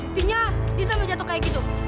intinya dia sama jatuh kayak gitu